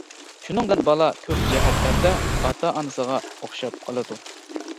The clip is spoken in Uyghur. شۇنىڭ بىلەن بالا كۆپ جەھەتلەردە ئاتا-ئانىسىغا ئوخشاپ قالىدۇ.